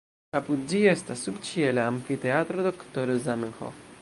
Apud ĝi estas subĉiela amfiteatro Doktoro Zamenhof.